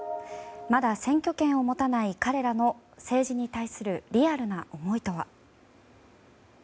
まだ選挙権を持たない彼らの政治に対するリアルな思いとは。